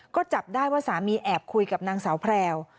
ก็จับได้ว่าสามีแอบคุยกับนางสาวแพรว